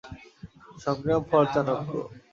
সংগ্রাম ফর চাণক্য!